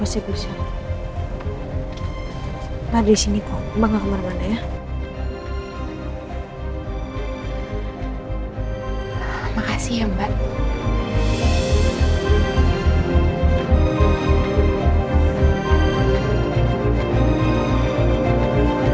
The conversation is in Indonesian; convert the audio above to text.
saya yakin kami orang yang kuat